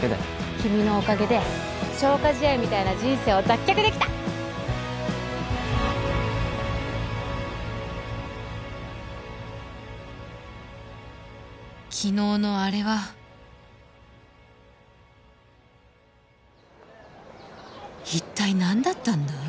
君のおかげで消化試合みたいな人生を脱却できた昨日のアレは一体何だったんだ？